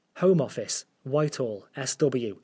" HOME OFFICE, WHITEHALL, S.W.